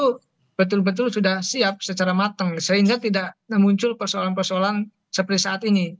itu betul betul sudah siap secara matang sehingga tidak muncul persoalan persoalan seperti saat ini